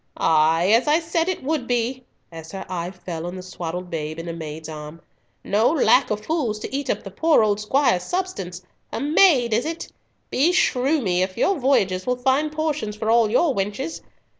Ay! as I said it would be," as her eye fell on the swaddled babe in a maid's arms. "No lack of fools to eat up the poor old squire's substance. A maid, is it? Beshrew me, if your voyages will find portions for all your wenches!